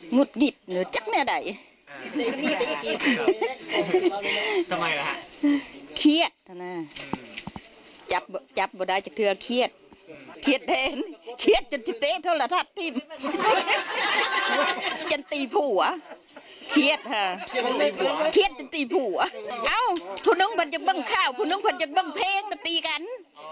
คุณองค์มันจะบ้างข้าวคุณองค์มันจะบ้างเพลงจะตีกัน